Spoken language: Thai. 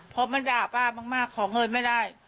เพราะมันด่าป้ามากขอเงินไม่ได้